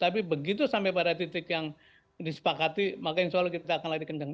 tapi begitu sampai pada titik yang disepakati maka insya allah kita akan lari kendeng